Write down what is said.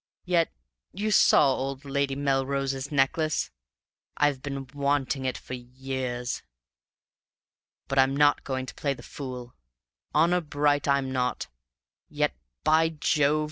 Yet you saw old Lady Melrose's necklace? I've been wanting it for years! But I'm not going to play the fool; honor bright, I'm not; yet by Jove!